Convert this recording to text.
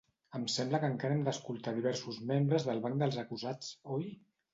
Em sembla que encara hem d'escoltar diversos membres del banc dels acusats, oi?